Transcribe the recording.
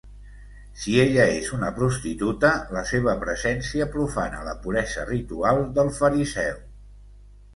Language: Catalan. Si ella és una prostituta, la seva presència profana la puresa ritual del fariseu.